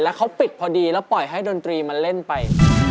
แล้วเขาปิดพอดีแล้วปล่อยให้ดนตรีมาเล่นไป